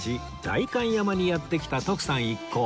代官山にやって来た徳さん一行